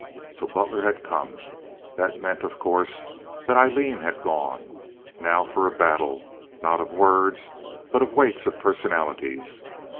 So Butler had come. That meant, of course, that Aileen had gone. Now for a battle, not of words, but of weights of personalities.